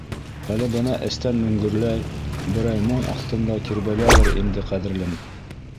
Әле бына эстән мөңгөрләй, берәй моң аҫтында тирбәләлер инде ҡәҙерлем.